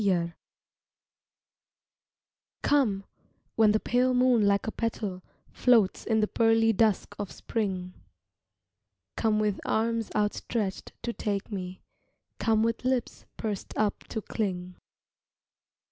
COME COME, when the pale moon like a petal Floats in the pearly dusk of spring, Come with arms outstretched to take me, Come with lips pursed up to cling.